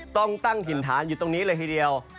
ต้องตั้งถิ่นฐานอยู่ตรงนี้เลยทีเดียว